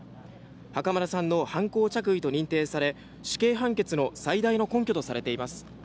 袴田さんの犯行着衣と認定され死刑判決の最大の根拠とされています。